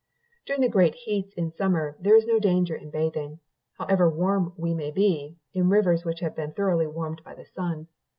"During the great heats in summer, there is no danger in bathing, however warm we may be, in rivers which have been thoroughly warmed by the sun.